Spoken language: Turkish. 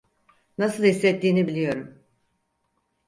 Nasıl hissettiğini biliyorum.